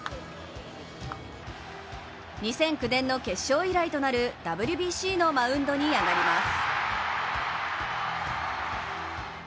２００９年の決勝以来となるＷＢＣのマウンドに上がります。